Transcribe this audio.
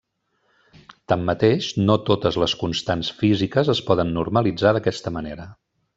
Tanmateix, no totes les constants físiques es poden normalitzar d'aquesta manera.